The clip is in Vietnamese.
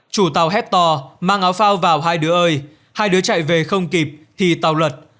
chủ tàu hét tò mang áo phao vào hai đứa ơi hai đứa chạy về không kịp thì tàu lật